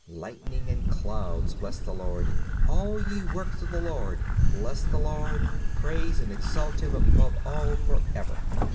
Lightnings and clouds bless the Lord; all ye works of the Lord bless the Lord; praise and exalt him above all forever."